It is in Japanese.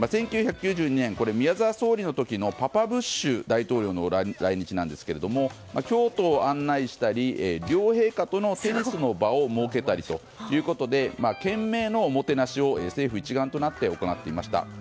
１９９２年、宮澤総理の時のパパブッシュの来日なんですが京都を案内したり両陛下とのテニスの場を設けたりということで懸命のおもてなしを政府一丸となって行っていました。